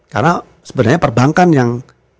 karena sebenarnya perbankan yang